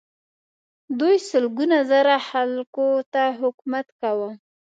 دوی سلګونه زره خلکو ته حکومت کاوه.